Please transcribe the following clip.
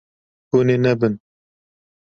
Hûn ê nebin.